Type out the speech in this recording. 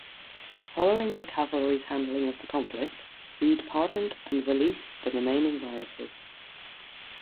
Following the cavalry's handling of the conflict, Reed pardoned and released the remaining rioters.